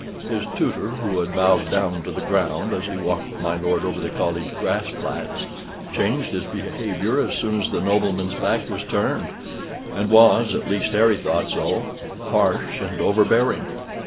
His tutor, who had bowed down to the ground, as he walked my lord over the college grass plats, changed his behavior as soon as the nobleman's back was turned, and was at least Harry thought so harsh and overbearing.